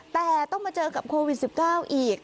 แต่ต้องมาเจอกับโควิด๑๙อีก